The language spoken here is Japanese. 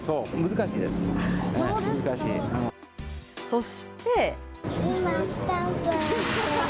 そして。